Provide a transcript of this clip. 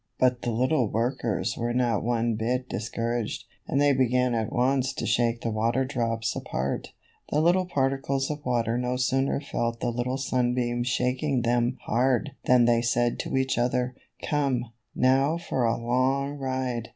But the little workers were not one bit dis couraged, and they began at once to shake the water drops apart. The little particles of water no sooner felt the little sunbeams shak ing them hard than they said to each other, ^^Come, now for a long ride.